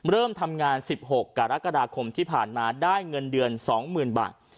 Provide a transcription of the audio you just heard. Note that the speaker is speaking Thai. เริ่มทำงาน๑๖กรกฎาคมที่ผ่านมาได้เงินเดือน๒๐๐๐บาท